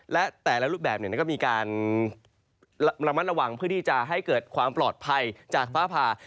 และแต่ละรูปแบบก็มีการระมัดระวังเพื่อที่จะให้เกิดความปลอดภัยจากฟ้าผ่า